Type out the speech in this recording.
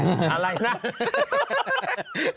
อะไรนะ